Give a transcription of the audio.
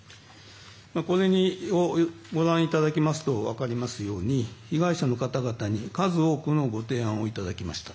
これをご覧いただきますと分かりますように被害者の方々に数多くのご提案をいただきました。